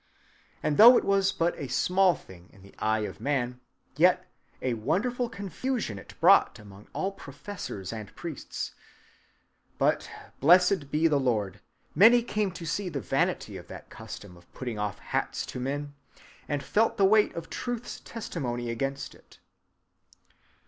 And though it was but a small thing in the eye of man, yet a wonderful confusion it brought among all professors and priests: but, blessed be the Lord, many came to see the vanity of that custom of putting off hats to men, and felt the weight of Truth's testimony against it."